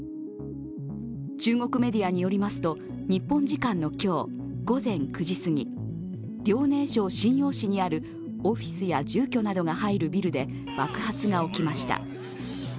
中国メディアによりますと日本時間の今日、午前９時半過ぎ、遼寧省瀋陽市にあるオフィスや住居などが入るビルで爆発が起きました。